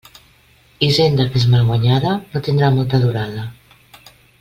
Hisenda que és mal guanyada, no tindrà molta durada.